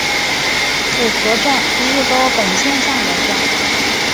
浦河站日高本线上的站。